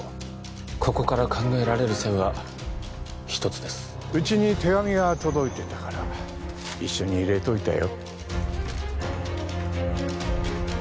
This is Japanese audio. ここから考えられる線は一つですうちに手紙が届いてたから一緒に入れておいたよ